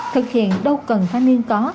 thực hiện đâu cần thanh niên có